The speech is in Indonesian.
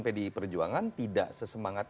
pdi perjuangan tidak sesemangat